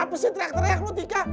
apa sih teriak teriak lu tiga